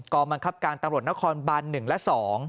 กมันคับการตรนครบัน๑และ๒